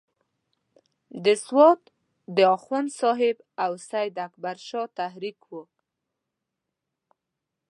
د سوات د اخوند صاحب او سید اکبر شاه تحریک وو.